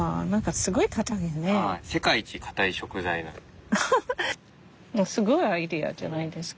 すごいアイデアじゃないですか。